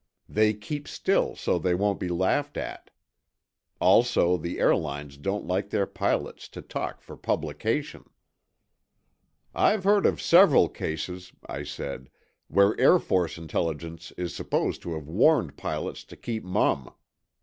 They keep still so they won't be laughed at. Also the airlines don't like their pilots to talk for publication." "I've heard of several cases," I said, "where Air Force Intelligence is supposed to have warned pilots to keep mum.